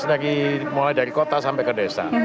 dan acaranya mulai dari kota sampai ke desa